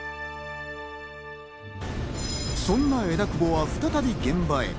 そんな枝久保は再び現場へ。